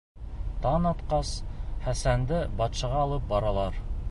Таң атҡас, Хәсәнде батшаға алып баралар.